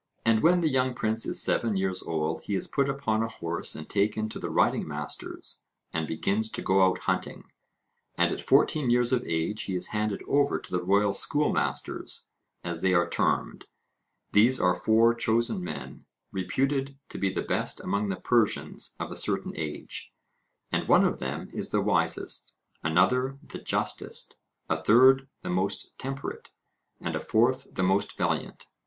And when the young prince is seven years old he is put upon a horse and taken to the riding masters, and begins to go out hunting. And at fourteen years of age he is handed over to the royal schoolmasters, as they are termed: these are four chosen men, reputed to be the best among the Persians of a certain age; and one of them is the wisest, another the justest, a third the most temperate, and a fourth the most valiant.